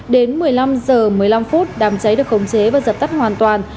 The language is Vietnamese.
đến một mươi năm h một mươi năm phút đám cháy được khống chế và dập tắt hoàn toàn